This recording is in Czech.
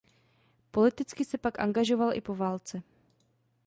Politicky se pak angažoval i po válce.